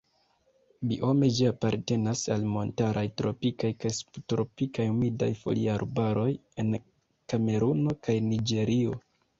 Biome ĝi apartenas al montaraj tropikaj kaj subtropikaj humidaj foliarbaroj en Kameruno kaj Niĝerio.